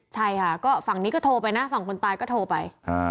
ใช่ค่ะก็ฝั่งนี้ก็โทรไปนะฝั่งคนตายก็โทรไป